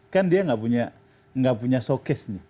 kan dia nggak punya sokes